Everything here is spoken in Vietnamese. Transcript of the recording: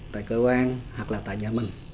tại cơ quan hoặc là tại nhà mình